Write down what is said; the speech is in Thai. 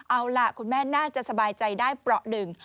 เอาล่ะคุณแม่น่าจะสบายใจได้เปราะหนึ่ง